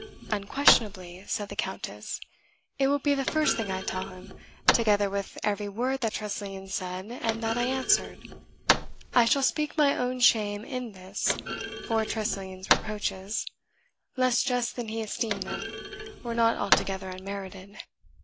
"Unquestionably," said the Countess. "It will be the first thing I tell him, together with every word that Tressilian said and that I answered. I shall speak my own shame in this, for Tressilian's reproaches, less just than he esteemed them, were not altogether unmerited.